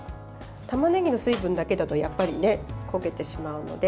たまねぎの水分だけだとやっぱり焦げてしまうので。